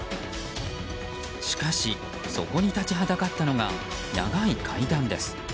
しかしそこに立ちはだかったのが長い階段です。